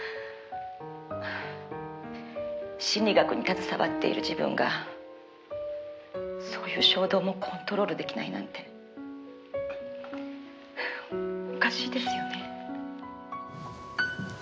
「心理学に携わっている自分がそういう衝動もコントロールできないなんておかしいですよね」